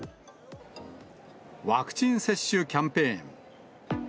ワクチン接種キャンペーン。